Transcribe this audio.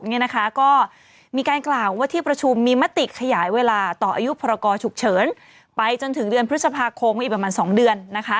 เนี่ยนะคะก็มีการกล่าวว่าที่ประชุมมีมติขยายเวลาต่ออายุพรกรฉุกเฉินไปจนถึงเดือนพฤษภาคมอีกประมาณ๒เดือนนะคะ